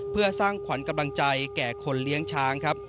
เพื่อสร้างขวัญกำลังใจแก่คนเลี้ยงช้างครับ